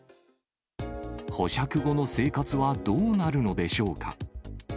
保釈後の生活はどうなるのでしょうか。